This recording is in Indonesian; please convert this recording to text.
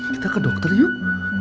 kita ke dokter yuk